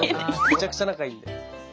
めちゃくちゃ仲いいんで。